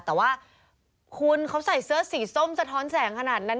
แต่ว่าคุณเขาใส่เสื้อสีส้มสะท้อนแสงขนาดนั้น